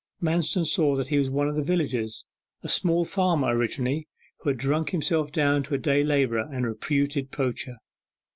Manston saw that he was one of the villagers: a small farmer originally, who had drunk himself down to a day labourer and reputed poacher.